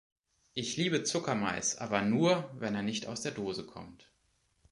Ich liebe Zuckermais, aber nur wenn er nicht aus der Dose kommt.